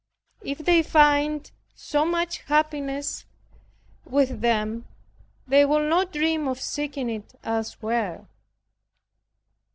If they find so much happiness with them, they will not dream of seeking it elsewhere.